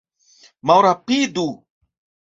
Malrapidu!